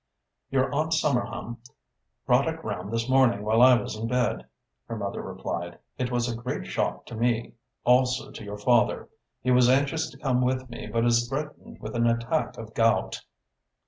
"Your Aunt Somerham brought it round this morning while I was in bed," her mother replied. "It was a great shock to me. Also to your father. He was anxious to come with me but is threatened with an attack of gout."